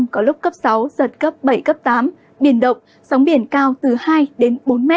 có lúc cấp sáu giật cấp bảy cấp tám biển động sóng biển cao từ hai đến bốn m